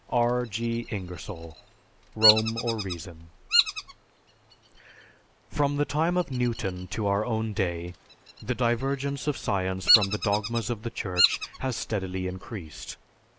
R. G. Ingersoll, "Rome or Reason." "From the time of Newton to our own day, the divergence of science from the dogmas of the Church has steadily increased.